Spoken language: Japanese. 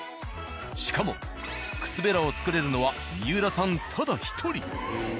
しかも靴べらを作れるのは三浦さんただ１人。